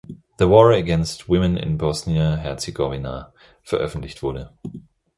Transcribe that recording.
The War against Women in Bosnia-Herzegovina" veröffentlicht wurde.